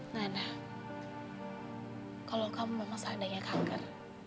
nana kalau kamu memang seandainya kanker